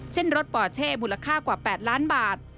เช่นรถปอเช่มูลค่ากว่า๘ล้านบาท